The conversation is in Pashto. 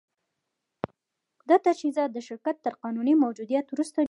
دا تجهیزات د شرکت تر قانوني موجودیت وروسته جوړ شول